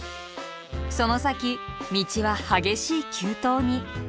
その先道は激しい急登に。